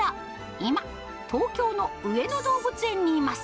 今、東京の上野動物園にいます。